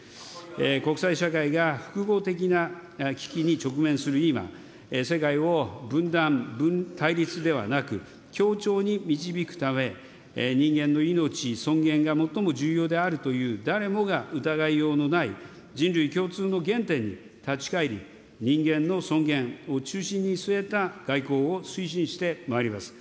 国際社会が複合的な危機に直面する今、世界を分断、対立ではなく、協調に導くため、人間の命、尊厳が最も重要であるという、誰もが疑いようのない、人類共通の原点に立ち返り、人間の尊厳を中心に据えた外交を推進してまいります。